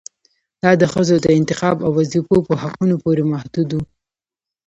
دا د ښځو د انتخاب او وظيفو په حقونو پورې محدود و